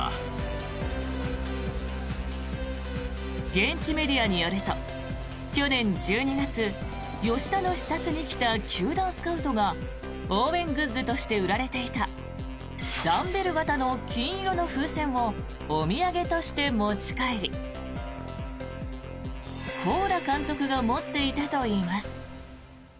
現地メディアによると去年１２月吉田の視察に来た球団スカウトが応援グッズとして売られていたダンベル形の金色の風船をお土産として持ち帰りコーラ監督が持っていたといいます。